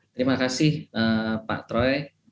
terima kasih pak troy